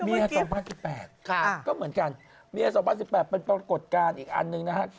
เมียสองพันสิบแปดก็เหมือนกันเมียสองพันสิบแปดเป็นปรากฎการอีกอันหนึ่งนะฮะ